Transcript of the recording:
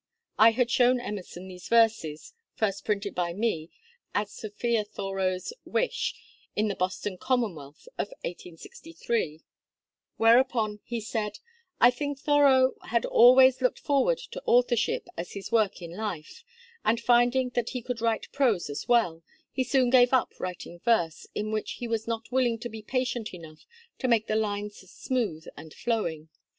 I had shown Emerson these verses (first printed by me, at Sophia Thoreau's wish, in the Boston 'Commonwealth' of 1863), whereupon he said: "I think Thoreau had always looked forward to authorship as his work in life, and finding that he could write prose well, he soon gave up writing verse, in which he was not willing to be patient enough to make the lines smooth and flowing.